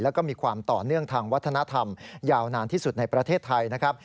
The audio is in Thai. แล้วก็มีความต่อเนื่องทางวัฒนธรรมยาวนานที่สุดในประเทศไทยนะครับ